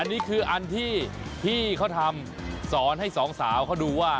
อันนี้คืออันที่พี่เขาทำสอนให้สองสาวเขาดูว่า